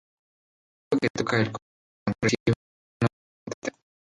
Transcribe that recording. El músico que toca el contrabajo recibe el nombre de contrabajista.